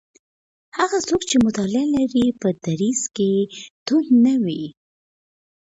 هغه څوک چي مطالعه لري په دریځ کي توند نه وي.